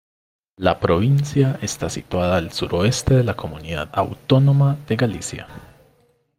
La provincia está situada al suroeste de la comunidad autónoma de Galicia.